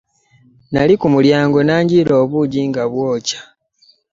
Nnali kumulyango nanjiira obujji nga bwookya.